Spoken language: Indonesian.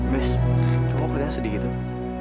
miss kamu aku ingin sedih gitu